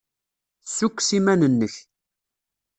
Ssukkes iman-nnek.